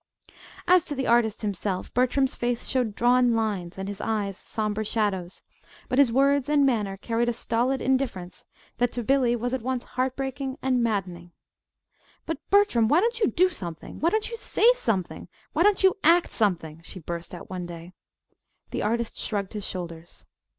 As to the artist himself, Bertram's face showed drawn lines and his eyes sombre shadows, but his words and manner carried a stolid indifference that to Billy was at once heartbreaking and maddening. "But, Bertram, why don't you do something? Why don't you say something? Why don't you act something?" she burst out one day. The artist shrugged his shoulders.